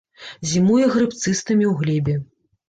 Зімуе грыб цыстамі ў глебе.